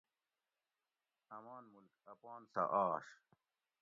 آمان ملک آپان سہ آش